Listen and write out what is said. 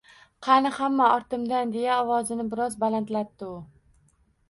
Qani, hamma ortimdan, deya ovozini biroz balandlatdi u